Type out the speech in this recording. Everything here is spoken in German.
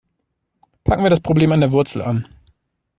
Packen wir das Problem an der Wurzel an.